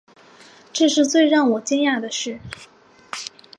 这是最让我惊讶的事